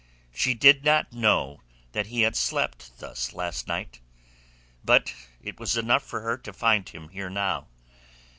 She did not know that he had slept thus last night. But it was enough for her to find him here now.